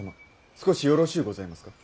少しよろしうございますか？